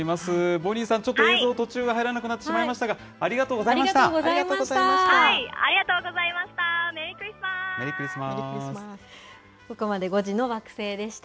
ボニーさん、ちょっと映像、途中、入らなくなってしまいましたが、ありがとうございました。